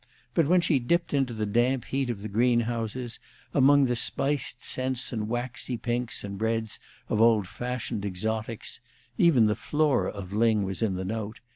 But when she dipped into the damp heat of the greenhouses, among the spiced scents and waxy pinks and reds of old fashioned exotics, even the flora of Lyng was in the note!